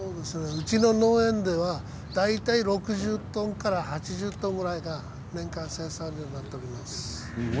うちの農園では大体６０トンから８０トンぐらい年間生産量は、あると思います。